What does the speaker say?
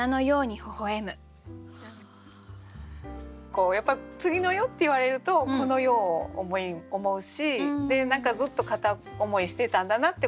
こうやっぱ「次の世」って言われるとこの世を思うし何かずっと片思いしてたんだなってことも分かる。